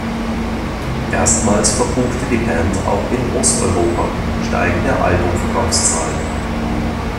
Erstmals verbuchte die Band auch in Osteuropa steigende Album-Verkaufszahlen.